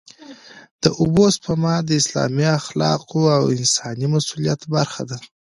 د اوبو سپما د اسلامي اخلاقو او انساني مسوولیت برخه ده.